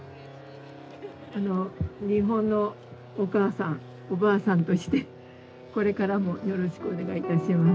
日本のお母さんおばあさんとしてこれからもよろしくお願いいたします。